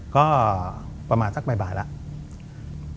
ก็ประมาณสักบ่ายแล้ว